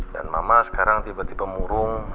dan mama sekarang tiba tiba murung